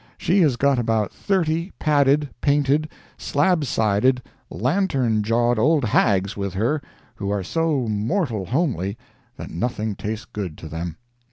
She has got about thirty padded, painted, slab sided, lantern jawed old hags with her who are so mortal homely that nothing tastes good to them.